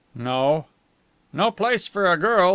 "No." "No place for a girl.